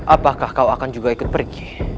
apakah kau akan juga ikut pergi